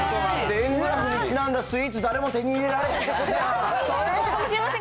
円グラフにちなんだスイーツ、誰も食べられへん。